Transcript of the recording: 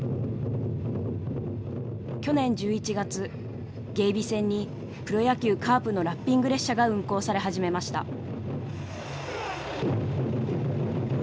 去年１１月芸備線にプロ野球カープのラッピング列車が運行され始めました。